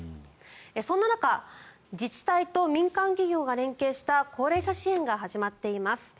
そんな中自治体と民間企業が連携した高齢者支援が始まっています。